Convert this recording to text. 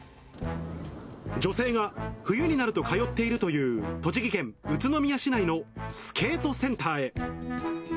女性が冬になると通っているという、栃木県宇都宮市内のスケートセンターへ。